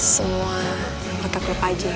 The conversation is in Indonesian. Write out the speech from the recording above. semua mereka klub aja